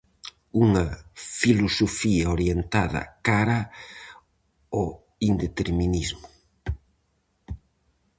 Unha filosofía orientada cara ao indeterminismo.